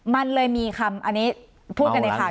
มันเลยมีคำอันนี้พูดกันในข่าว